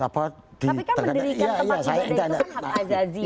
tapi kan mendirikan kemahiran itu adalah hak ajazi